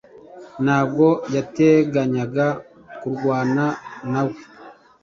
ntabwo yateganyaga kurwana nawe